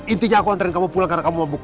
intinya aku anterin kamu pulang karena kamu mabuk